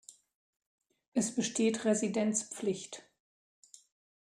Es besteht Residenzpflicht.